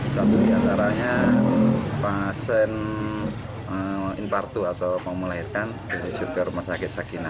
satu di antaranya pasien impartu atau pemelihatan juga rumah sakit sakina